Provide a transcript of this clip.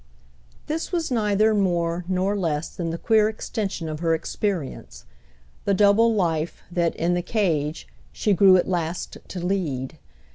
This was neither more nor less than the queer extension of her experience, the double life that, in the cage, she grew at last to lead.